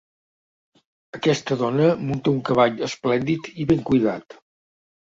Aquesta dona munta un cavall esplèndid i ben cuidat.